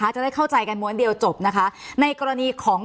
จะได้เข้าใจกันหมวดเดียวค่ะในกรณีของ